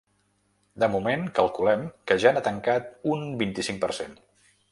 De moment, calculem que ja n’ha tancat un vint-i-cinc per cent.